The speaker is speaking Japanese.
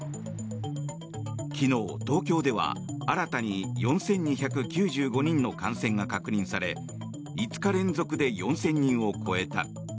昨日、東京では新たに４２９５人の感染が確認され５日連続で４０００人を超えた。